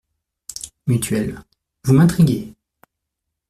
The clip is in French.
Mutuelle. Vous m’intriguez!